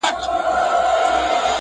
شپې یې ډېري تېرېدې په مېلمستیا کي!!